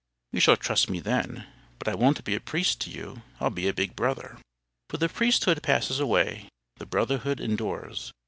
"You shall trust me then. But I won't be a priest to you, I'll be a big brother." For the priesthood passes away, the brotherhood endures.